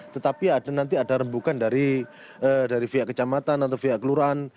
tetapi nanti ada rembukan dari dari via kecamatan atau via kelurahan